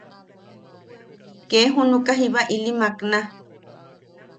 Ke junuka jiba ili makna.